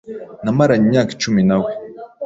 Namaranye imyaka icumi na we.